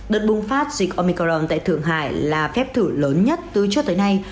đợt bùng phát dịch omicron tại thượng hải là phép thử lớn nhất từ trước tới nay